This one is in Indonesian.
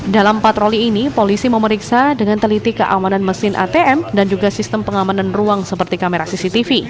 dalam patroli ini polisi memeriksa dengan teliti keamanan mesin atm dan juga sistem pengamanan ruang seperti kamera cctv